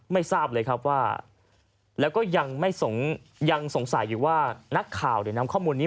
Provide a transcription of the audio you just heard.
ทราบเลยครับว่าแล้วก็ยังไม่ยังสงสัยอยู่ว่านักข่าวนำข้อมูลนี้